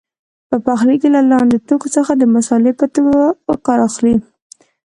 په پخلي کې له لاندې توکو څخه د مسالې په توګه کار اخلي.